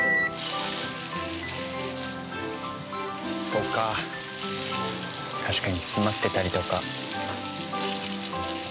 そうか確かに詰まってたりとか。